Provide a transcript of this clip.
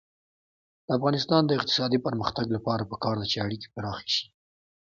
د افغانستان د اقتصادي پرمختګ لپاره پکار ده چې اړیکې پراخې شي.